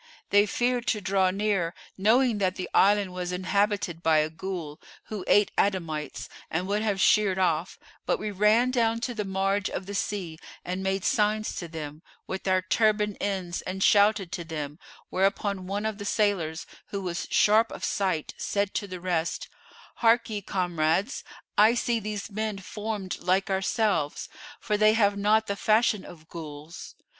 They feared to draw near, knowing that the island was inhabited by a Ghul[FN#443] who ate Adamites, and would have sheered off; but we ran down to the marge of the sea and made signs to them, with our turband ends and shouted to them, whereupon one of the sailors, who was sharp of sight, said to the rest, "Harkye, comrades, I see these men formed like ourselves, for they have not the fashion of Ghuls.